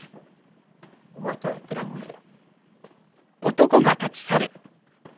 お前とはやってらんねえよ。